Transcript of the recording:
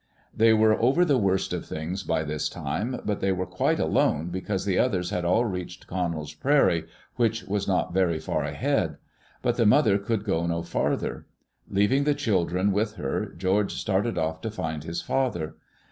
They were over the worst of things by this time, but they were quite alone because the others had all reached Connell's prairie, which was not very far ahead. But the mother could go no farther. Leaving the children with her, George started off to find his father.